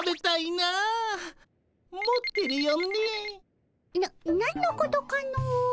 な何のことかの。